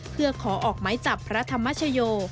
เพื่อขอออกไม้จับพระธรรมชโย